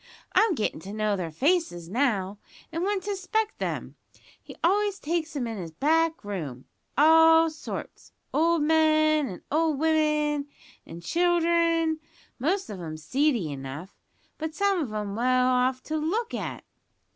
I'm gettin' to know their faces now, and when to expect 'em. He always takes 'em into his back room all sorts, old men and old women an' children, most of 'em seedy enough, but some of 'em well off to look at.